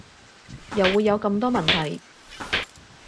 又會有咁多問題